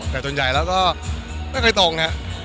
แต่ส่วนใหญ่แล้วก็ไม่เคยตรงครับ